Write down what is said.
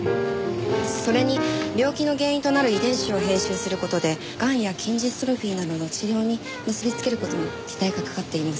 それに病気の原因となる遺伝子を編集する事でガンや筋ジストロフィーなどの治療に結びつける事にも期待がかかっています。